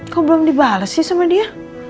kok belum dibalas sih sama dia